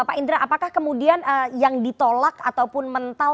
pak indra apakah kemudian yang ditolak ataupun mental